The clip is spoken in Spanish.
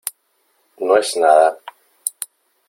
no es nada .